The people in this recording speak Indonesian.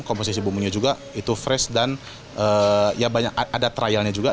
komposisi bumbunya juga fresh dan ada trialnya juga